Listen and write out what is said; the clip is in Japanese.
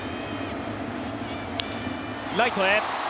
ライトへ。